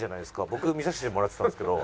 僕見させてもらってたんですけど。